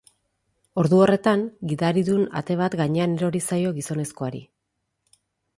Ordu horretan, gidaridun ate bat gainean erori zaio gizonezkoari.